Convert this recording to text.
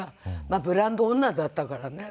まあブランド女だったからね